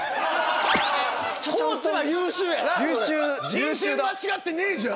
人選間違ってねえじゃん。